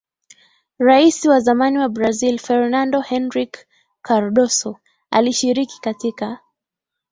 rais wa zamani wa Brazil Fernando Henrique Cardoso alishiriki katika